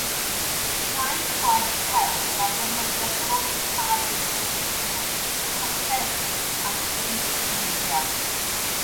Gwnaed y gwaith celf gan ddefnyddio brwsh aer dyfrlliw, pasteli, ac inc India.